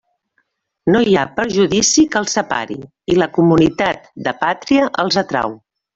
No hi ha prejudici que els separi, i la comunitat de pàtria els atrau.